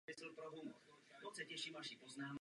Před vstupem stojí dvě vzrostlé lípy.